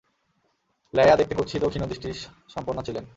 লায়্যা দেখতে কুৎসিত ও ক্ষীণ দৃষ্টিশক্তি-সম্পন্না ছিলেন।